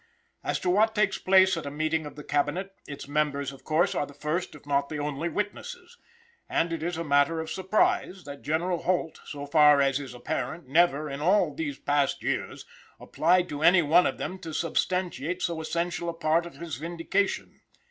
As to what takes place at a meeting of the Cabinet, its members of course are the first, if not the only, witnesses. And it is a matter of surprise that General Holt, so far as is apparent, never, in all these past years, applied to any one of them to substantiate so essential a part of his vindication.